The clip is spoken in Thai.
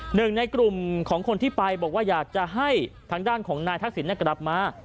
หนึ่งในกลุ่มของคนที่ไปบอกว่าอยากจะให้ทางด้านของนายทักษิณกลับมา